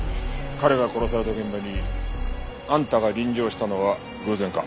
彼が殺された現場にあんたが臨場したのは偶然か？